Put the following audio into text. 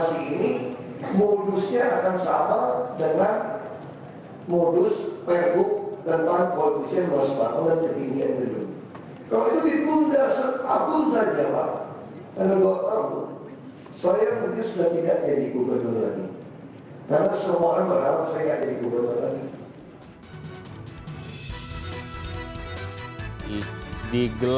pakai banjir sunter